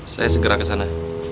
saya segera kesana